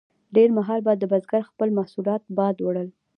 ډیر مهال به د بزګر خپل محصولات باد وړل.